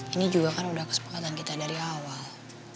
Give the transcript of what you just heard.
ini juga kan sudah kesepakatan kita dari awal